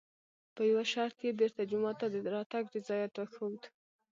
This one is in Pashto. په یوه شرط یې بېرته جومات ته د راتګ رضایت وښود.